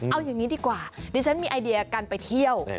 เอาอย่างนี้ดีกว่าดิฉันมีไอเดียการไปเที่ยว